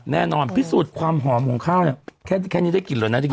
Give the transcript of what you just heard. แน่นอนพิสูจน์ความหอมของข้าวเนี่ยแค่นี้ได้กลิ่นเลยนะจริง